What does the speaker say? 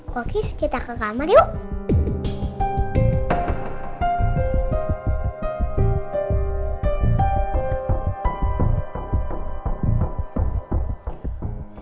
kokis kita ke kamar yuk